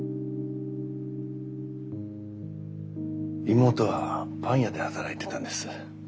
妹はパン屋で働いてたんです。